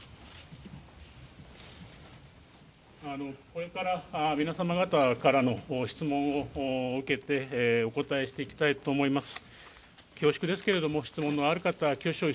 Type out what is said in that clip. これから皆様方からの質問を受けてお答えしていきたいと思います。